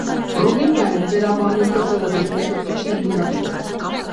Ռումինիայում ծերաբանների և ծերաբույժների դպրոցի հիմնադիրը։